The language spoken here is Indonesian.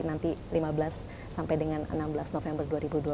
nanti lima belas sampai dengan enam belas november dua ribu dua puluh